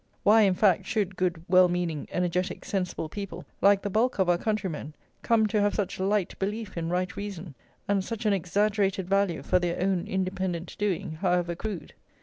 Why, in fact, should good, well meaning, energetic, sensible people, like the bulk of our countrymen, come to have such light belief in right reason, and such an exaggerated value for their own independent doing, however crude?